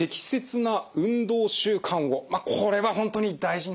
まあこれは本当に大事になりそうですね。